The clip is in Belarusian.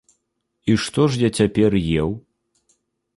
І што ж я цяпер еў?